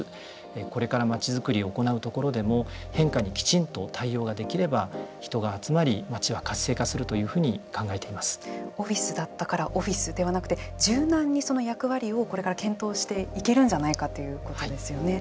これから街づくりを行うところでも変化にきちんと対応ができれば人が集まり、街は活性化する「オフィスだったからオフィス」ではなくて柔軟に、その役割を、これから検討していけるんじゃないかということですよね。